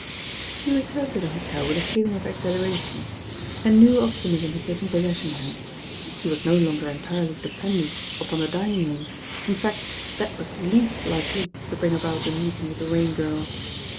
He returned to the hotel with a feeling of exhU aration. A new optimism had taken possession of hini. He was no longer entirely dependent upon the dining room, in fact that was least likely to bring about a meeting with the Rain Girl.